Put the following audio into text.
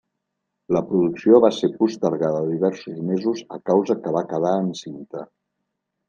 La producció va ser postergada diversos mesos a causa que va quedar encinta.